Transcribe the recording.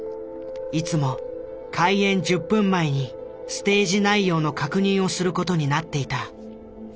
いつも開演１０分前にステージ内容の確認をする事になっていた。